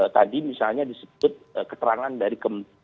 tadi misalnya disebut keterangan dari